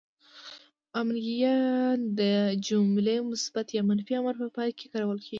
امریه ئ د جمع مثبت يا منفي امر په پای کې کارول کیږي.